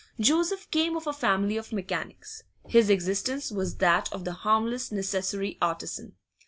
Joseph came of a family of mechanics; his existence was that of the harmless necessary artisan.